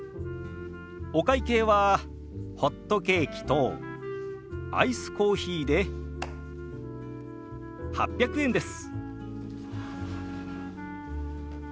お会計はホットケーキとアイスコーヒーで８００円です。